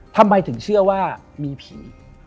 ทำไมถึงเชื่อว่ามีผี